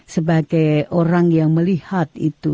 sebagai orang yang melihat itu